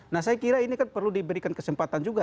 nah saya kira ini kan perlu diberikan kesempatan juga